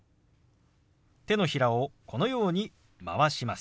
手のひらをこのように回します。